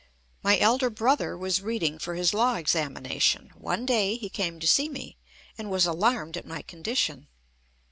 My elder brother was reading for his law examination. One day he came to see me, and was alarmed at my condition.